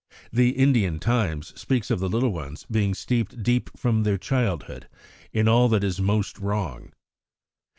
The Indian Times speaks of the little ones being "steeped deep from their childhood" in all that is most wrong.